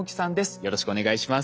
よろしくお願いします。